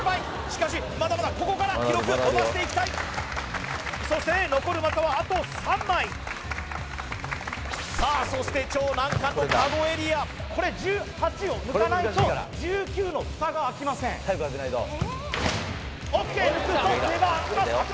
しかしまだまだここから記録伸ばしていきたいそして残る的はあと３枚さあそして超難関のかごエリアこれ１８を抜かないと１９のフタが開きませんＯＫ開きました！